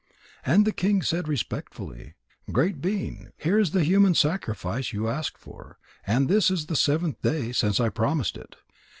And the king said respectfully: "Great being, here is the human sacrifice you asked for, and this is the seventh day since I promised it.